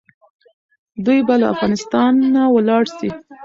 دوی به له افغانستانه ولاړ سي.